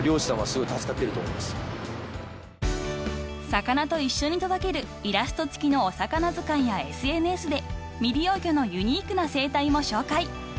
［魚と一緒に届けるイラスト付きのお魚図鑑やＳＮＳで未利用魚のユニークな生態も紹介］